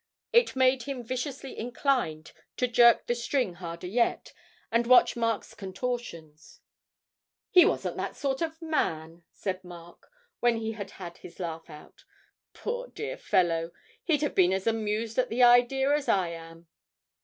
It made him viciously inclined to jerk the string harder yet, and watch Mark's contortions. 'He wasn't that sort of man,' said Mark, when he had had his laugh out; 'poor dear old fellow, he'd have been as amused at the idea as I am.'